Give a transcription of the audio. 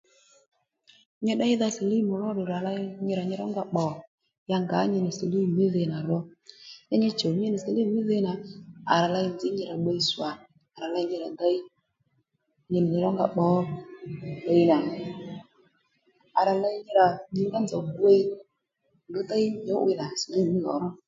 Nyi tdéydha sìlímù róddù nì rà ley nyirà nyi rónga pbò ya ngǎ nyi nì sìlímù mí dhi nà ro ya nyi chùw nyi nì sìlímù mí dhi nà à rà ley nzǐ nyi rà bbiy swà à rà ley nyi rà dey nyi nì nyi rànga pbǒ ddiy nà à rà ley nyi rà nyǐngá nzòw gwiy ndrǔ déy nyǔ'wiy na sìlímù mí lò ró